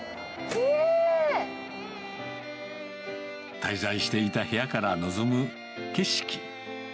滞在していた部屋から望む景色。